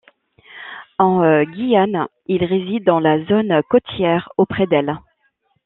En Guyane il réside dans la zone côtière ou près d'elle.